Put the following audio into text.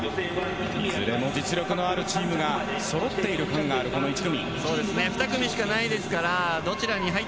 いずれも実力のあるチームがそろっている感がある１組。